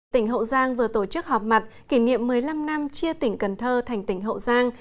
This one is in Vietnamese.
tỉnh hậu giang vừa tổ chức họp mặt kỷ niệm một mươi năm năm chia tỉnh cần thơ thành tỉnh hậu giang